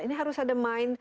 ini harus ada main